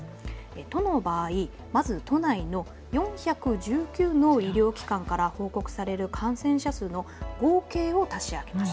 都の場合、まず都内の４１９の医療機関から報告される感染者数の合計を足し上げます。